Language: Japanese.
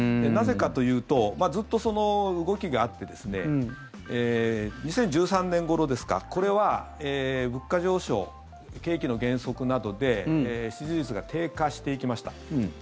なぜかというとずっと動きがあってですね２０１３年ごろですかこれは物価上昇景気の減速などで支持率が低下していきました。